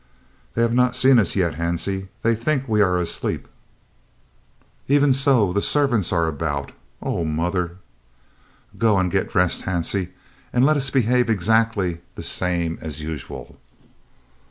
"They have not seen us yet, Hansie. They think we are asleep." "Even so, the servants are about. Oh, mother!" "Go and get dressed, Hansie, and let us behave exactly the same as usual.